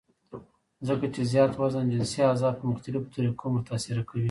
ځکه چې زيات وزن جنسي اعضاء پۀ مختلفوطريقو متاثره کوي -